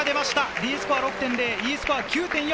Ｄスコア６．０、Ｅスコア９．４。